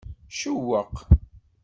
Cewweq.